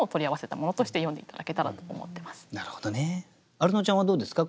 アルノちゃんはどうですか？